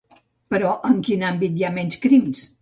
Però en quin àmbit hi ha menys crims?